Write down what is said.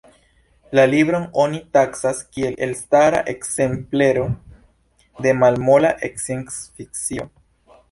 La libron oni taksas kiel elstara ekzemplero de malmola sciencfikcio.